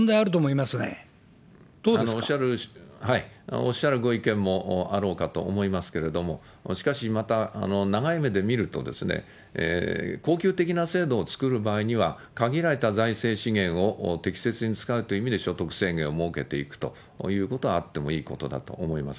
おっしゃるご意見もあろうかと思いますけれども、しかしまた長い目で見ると、恒久的な制度を作る場合には、限られた財政資源を適切に使うという意味で所得制限を設けていくということはあってもいいことだと思います。